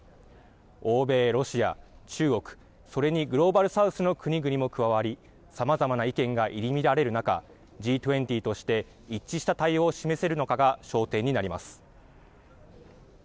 欧米、ロシア、中国それにグローバルサウスの国々も加わりさまざまな意見が入り乱れる中Ｇ２０として一致した対応を示せるのかが焦点になります。